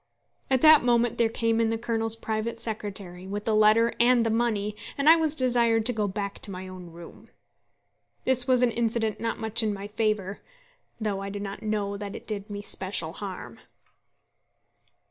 At that moment there came in the Colonel's private secretary, with the letter and the money, and I was desired to go back to my own room. This was an incident not much in my favour, though I do not know that it did me special harm.